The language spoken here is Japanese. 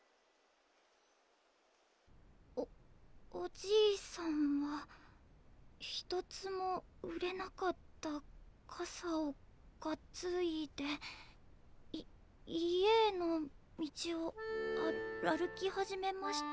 「おおじいさんは一つも売れなかったかさをかついでい家への道をある歩きはじめました」。